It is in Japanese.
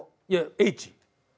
いやＨ。